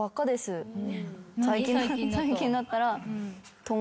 最近だったら。